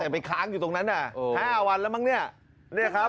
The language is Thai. แต่มันค้างอยู่ตรงนั้นอ่ะอ๋อท้ายห้าวันแล้วมั้งเนี่ยนี่ครับ